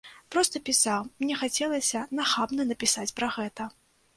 Проста пісаў, мне хацелася нахабна напісаць пра гэта.